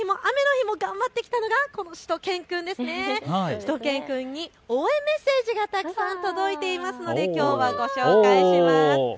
しゅと犬くんに応援メッセージが届いていますのできょうはご紹介します。